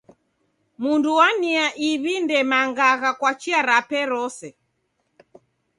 Mundu wa nia iw'i, ndemangagha kwa chia rape rose.